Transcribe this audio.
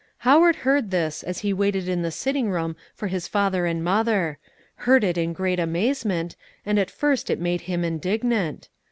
Howard heard this, as he waited in the sitting room for his father and mother; heard it in great amazement, and at first it made him indignant.